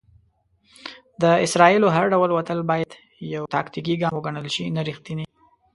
د اسرائیلو هر ډول وتل بايد يو "تاکتيکي ګام وګڼل شي، نه ريښتينی".